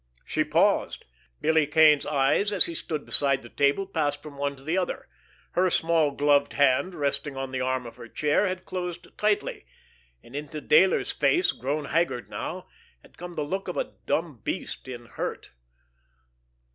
She paused. Billy Kane's eyes, as he stood beside the table, passed from one to the other. Her small gloved hand, resting on the arm of her chair, had closed tightly; and into Dayler's face, grown haggard now, had come the look of a dumb beast in hurt.